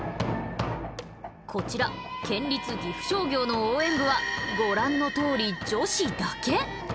こちら県立岐阜商業の応援部はご覧のとおり女子だけ。